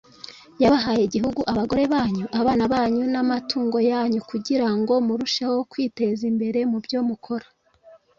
yabahaye iki gihugu Abagore banyu abana banyu n amatungo yanyu kugirango murusheho kwiteza imbere mubyo mukora